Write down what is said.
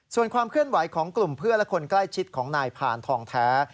ส่วนความเคลื่อนไหวของกลุ่มเพื่อนและคนใกล้ชิดของนายผ่านทองแท้